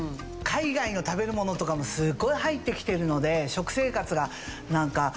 海外の食べるものとかもすっごい入ってきてるので食生活がなんか。